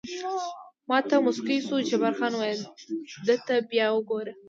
ما ته موسکی شو، جبار خان وویل: ده ته بیا وګوره.